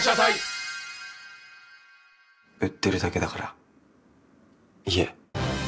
売ってるだけだから家。